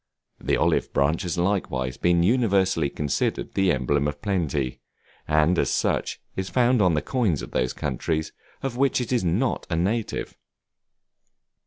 The olive branch has likewise been universally considered the emblem of plenty, and as such, is found on the coins of those countries of which it is not a native.